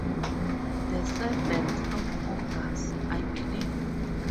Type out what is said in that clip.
The seventh of August, I believe.